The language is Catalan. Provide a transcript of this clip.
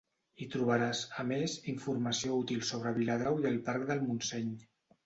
Hi trobaràs, a més, informació útil sobre Viladrau i el Parc del Montseny.